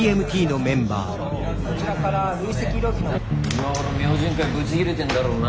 今頃「明神会」ブチギレてんだろうな。